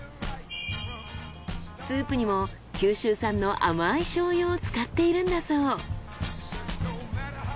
スープにも九州産の甘い醤油を使っているんだそう。